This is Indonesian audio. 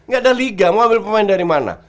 gak ada liga mau ambil pemain dari mana